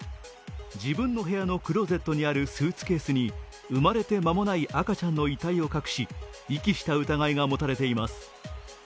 自分の部屋のクローゼットにあるスーツケースに生まれて間もない赤ちゃんの遺体を隠し遺棄した疑いが持たれています。